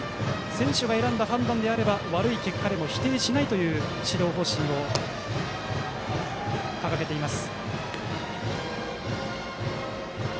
選手が選んだ判断であれば悪い結果でも否定しないという指導方針を掲げています。